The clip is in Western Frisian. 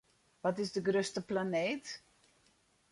Wat is de grutste planeet?